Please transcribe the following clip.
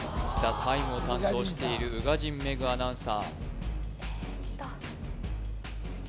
「ＴＨＥＴＩＭＥ，」を担当している宇賀神メグアナウンサーえっと